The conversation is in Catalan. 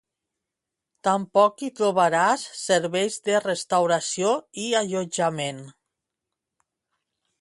Tampoc hi trobaràs serveis de restauració i allotjament.